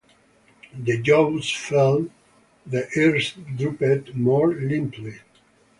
The jaws fell, the ears drooped more limply.